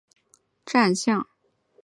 他骑着他的大战象。